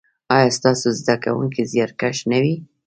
ایا ستاسو زده کونکي زیارکښ نه دي؟